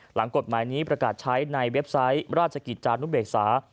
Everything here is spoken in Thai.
หลังกฎหมายนี้ประกาศใช้ในเว็บไซต์ราชกิจจานุเบกษา